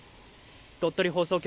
鳥取放送局